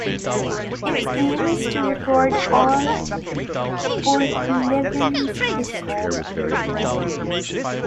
Its aim is to record all Porthleven's history.